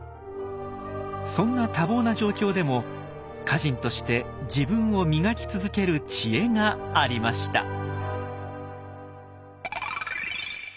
そんな多忙な状況でも歌人として自分を磨き続ける知恵がありました。